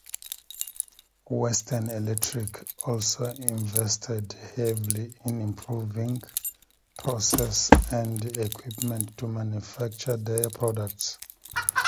Western Electric also invested heavily in improving processes and equipment to manufacture their products.